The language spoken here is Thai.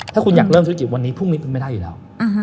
ถ้าคุณอยากเริ่มธุรกิจวันนี้พรุ่งนี้เป็นไม่ได้อยู่แล้ว